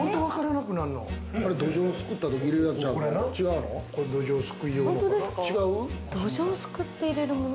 どじょうを、すくったときに入れるやつちゃうの？